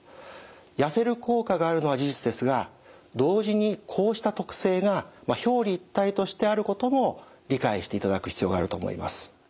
やせる効果があるのは事実ですが同時にこうした特性が表裏一体としてあることも理解していただく必要があると思います。